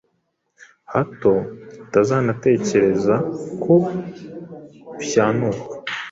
hato atazanatekereza ko ushyanuka